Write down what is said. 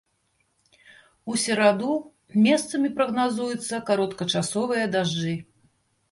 У сераду месцамі прагназуюцца кароткачасовыя дажджы.